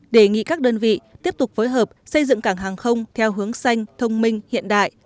đề nghị các đơn vị tiếp tục phối hợp xây dựng cảng hàng không theo hướng xanh thông minh hiện đại